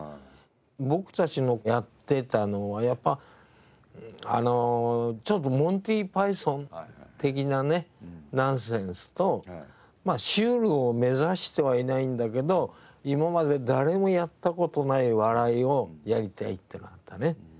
僕たちのやってたのはやっぱあのちょっとモンティ・パイソン的なねナンセンスとまあシュールを目指してはいないんだけど今まで誰もやった事ない笑いをやりたいってなったね。